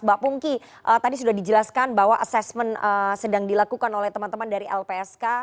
mbak pungki tadi sudah dijelaskan bahwa assessment sedang dilakukan oleh teman teman dari lpsk